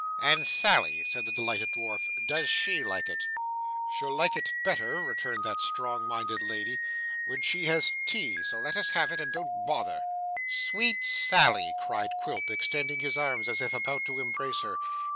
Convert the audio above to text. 'And Sally?' said the delighted dwarf. 'Does she like it?' 'She'll like it better,' returned that strong minded lady, 'when she has tea; so let us have it, and don't bother.' 'Sweet Sally!' cried Quilp, extending his arms as if about to embrace her.